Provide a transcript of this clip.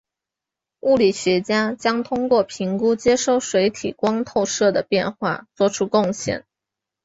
物理学家将通过评估接收水体光透射的变化做出贡献。